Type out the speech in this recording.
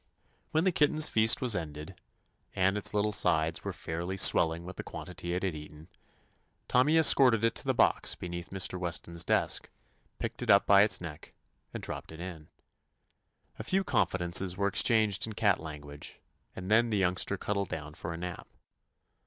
When the kitten's feast was ended, 124 TOMMY POSTOFFICE and its little sides were fairly swell ing with the quantity it had eaten, Tommy escorted it to the box be neath Mr. Weston's desk, picked it up by its neck, and dropped it in. A few confidences were exchanged in cat language, and then the youngster cuddled down for a nap.